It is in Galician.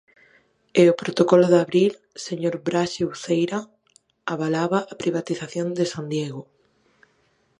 E o protocolo de abril, señor Braxe Uceira, avalaba a privatización de San Diego.